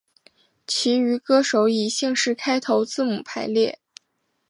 其余歌手以姓氏开头字母排列。